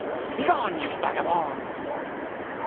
Begone, you vagabond!